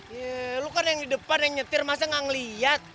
ya lu kan yang di depan yang nyetir masa gak ngeliat